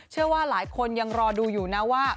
เชื่อว่าหลายคนยังรอดูอยู่นะว่า